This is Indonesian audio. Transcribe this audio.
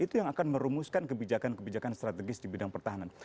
itu yang akan merumuskan kebijakan kebijakan strategis di bidang pertahanan